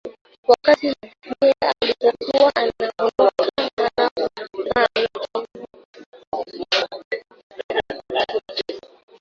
wakati Liberia ilipokuwa inaondokana na vita vya wenyewe kwa wenyewe